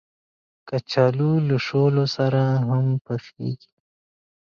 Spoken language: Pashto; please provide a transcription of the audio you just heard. کچالو له شولو سره هم پخېږي